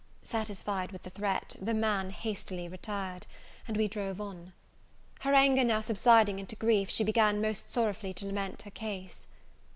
Satisfied with the threat, the man hastily retired, and we drove on. Her anger now subsiding into grief, she began most sorrowfully to lament her case.